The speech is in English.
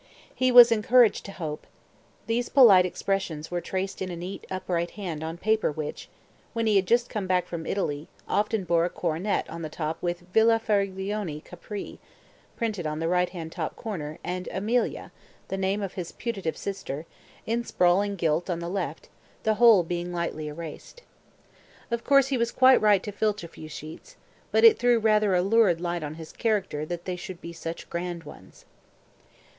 He was encouraged to hope. ... These polite expressions were traced in a neat upright hand on paper which, when he had just come back from Italy, often bore a coronet on the top with "Villa Faraglione, Capri" printed on the right hand top corner and "Amelia" (the name of his putative sister) in sprawling gilt on the left, the whole being lightly erased. Of course he was quite right to filch a few sheets, but it threw rather a lurid light on his character that they should be such grand ones.